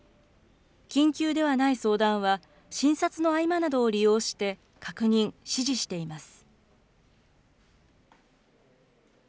緊急ではない相談は、診察の合間などを利用して確認、指示しています。